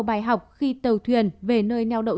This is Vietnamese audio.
bài học khi tàu thuyền về nơi nèo đậu